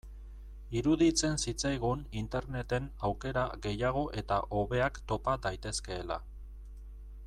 Iruditzen zitzaigun Interneten aukera gehiago eta hobeak topa daitezkeela.